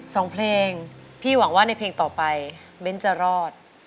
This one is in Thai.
สองเพลงพี่หวังว่าในเพลงต่อไปเบ้นจะรอด